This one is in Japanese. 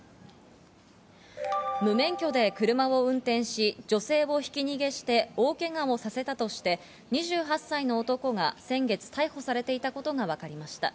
無免許で車を運転し、女性をひき逃げして大けがをさせたとして２８歳の男が先月、逮捕されていたことが分かりました。